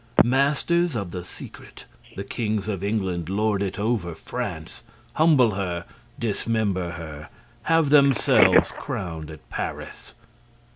Masters of the secret, the Kings of England lord it over France, humble her, dismember her, have themselves crowned at Paris.